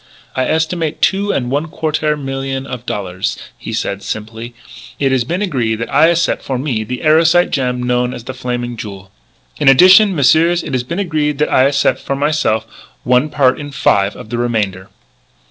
"I estimate two and one quartaire million of dollaires," he said simply. "It has been agree that I accep' for me the erosite gem known as The Flaming Jewel. In addition, messieurs, it has been agree that I accep' for myse'f one part in five of the remainder."